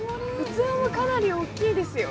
器もかなり大きいですよ。